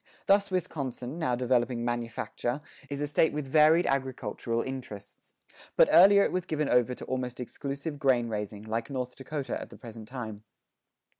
Thus Wisconsin, now developing manufacture, is a State with varied agricultural interests. But earlier it was given over to almost exclusive grain raising, like North Dakota at the present time.